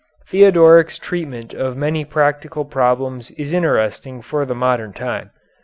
Theodoric's treatment of many practical problems is interesting for the modern time.